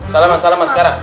salaman salaman sekarang